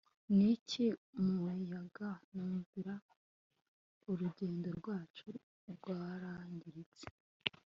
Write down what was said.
Niki numuyaga nimvura urugendo rwacu rwarangiritse